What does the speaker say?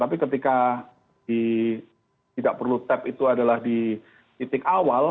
tapi ketika tidak perlu tap itu adalah di titik awal